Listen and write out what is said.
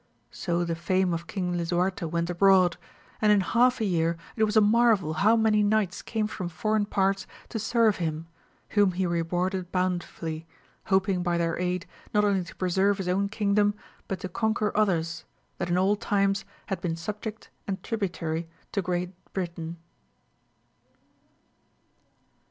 So the fame of King Lisuarte went abroad, and in half a year it was a marvel how many knights came from foreign parts to serve him, whom he rewarded bountifully, hoping by their aid not only to preserve his own kingdom, but to conquer others, that in old times had been subject and tributary to Great Britain.